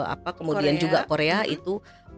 apa kemudian juga korea itu